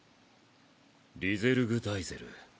リゼルグ・ダイゼル。